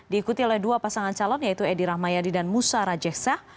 diikuti oleh dua pasangan calon yaitu edi rahmayadi dan musa rajeksah